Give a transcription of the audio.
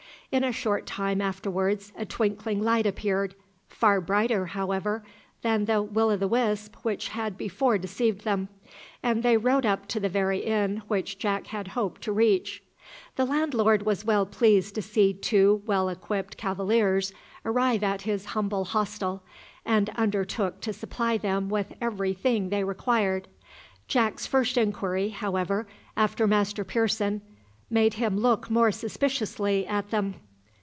In a short time afterwards a twinkling light appeared, far brighter, however, than the "will o' the wisp" which had before deceived them, and they rode up to the very inn which Jack had hoped to reach. The landlord was well pleased to see two well equipped cavaliers arrive at his humble hostel, and under took to supply them with every thing they required. Jack's first inquiry, however, after Master Pearson, made him look more suspiciously at them.